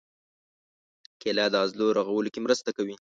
کېله د عضلو رغولو کې مرسته کوي.